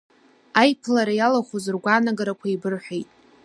Аиԥылара иалахәыз ргәаанагарақәа еибырҳәеит.